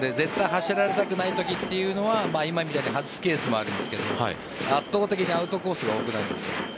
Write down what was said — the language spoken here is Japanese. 絶対走られたくないときというのは今みたいに外すケースもあるんですが圧倒的にアウトコースが多くなるんです。